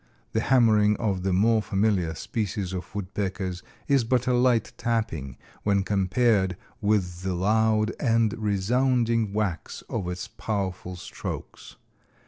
The hammering of the more familiar species of woodpeckers is but a light tapping when compared with the loud and resounding whacks of its powerful strokes.